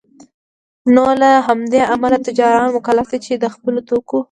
نوله همدې امله تجاران مکلف دی چي دخپلو توکو